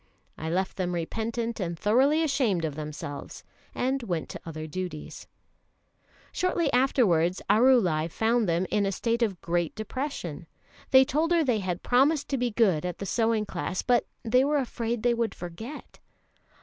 I left them repentant and thoroughly ashamed of themselves, and went to other duties. [Illustration: SEWING CLASS IN THE COURTYARD.] Shortly afterwards Arulai found them in a state of great depression. They told her they had promised to be good at the sewing class, but were afraid they would forget.